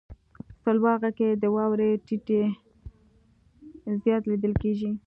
سلواغه کې د واورې ټيټی زیات لیدل کیږي.